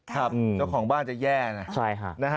เจ้าของบ้านจะแย่นะ